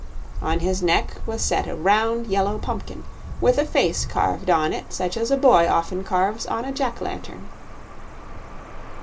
On his neck was set a round, yellow pumpkin, with a face carved on it such as a boy often carves on a jack lantern.